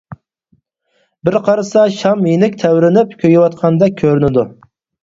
بىر قارىسا شام يېنىك تەۋرىنىپ كۆيۈۋاتقاندەك كۆرۈنىدۇ.